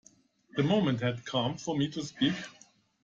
The moment had come for me to speak.